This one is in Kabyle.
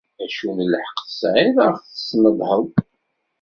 Acu n lḥeqq tesεiḍ ad ɣ-tesnedheḍ?